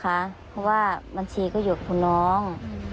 เพราะว่าบัญชีก็อยู่กับคุณน้อง